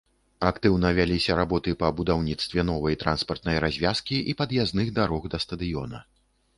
Актыўна вяліся работы па будаўніцтве новай транспартнай развязкі і пад'язных дарог да стадыёна.